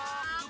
dung dung rog